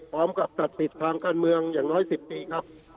พร้อมกับตัดสิทธิ์ทางการเมืองอย่างน้อย๑๐ปีครับ